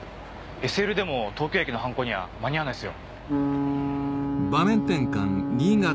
ＳＬでも東京駅の犯行には間に合わないっすよ。